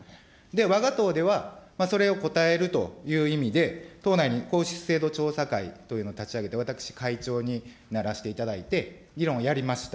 わが党では、それを答えるという意味で、党内に皇室制度調査会というのを立ち上げて、私、会長にならしていただいて議論をやりました。